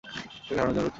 তোকে হারানোর জন্য লড়ছি!